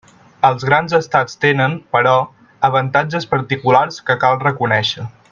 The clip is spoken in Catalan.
Els grans estats tenen, però, avantatges particulars que cal reconèixer.